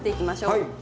はい。